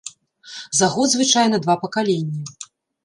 За год звычайна два пакаленні.